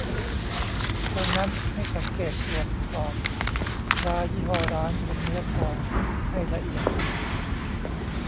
ดังนั้นให้สังเกตตรวจสอบตรายี่ห้อร้านบนเนื้อทองให้ละเอียด